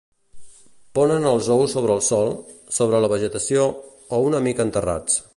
Ponen els ous sobre el sòl, sobre la vegetació o una mica enterrats.